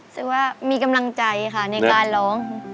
คือว่ามีกำลังใจค่ะในการร้อง